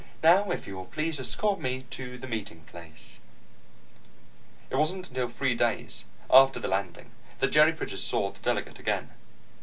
"Now if you will please escort me to the meeting place ..."It wasn't until three days after the landing that Jerry Bridges saw the Delegate again.